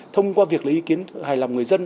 thông qua việc lấy ý kiến hài lòng người dân